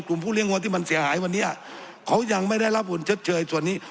ผู้เลี้ยวัวที่มันเสียหายวันนี้เขายังไม่ได้รับบุญชดเชยส่วนนี้